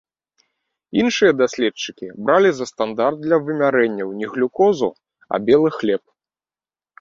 Іншыя даследчыкі бралі за стандарт для вымярэнняў не глюкозу, а белы хлеб.